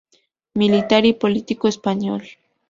Militar y político español.